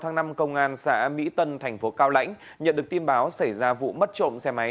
ngày năm công an xã mỹ tân thành phố cao lãnh nhận được tin báo xảy ra vụ mất trộm xe máy